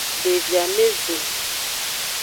Devi ameve.